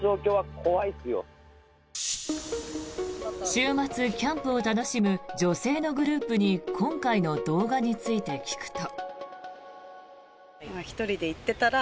週末、キャンプを楽しむ女性のグループに今回の動画について聞くと。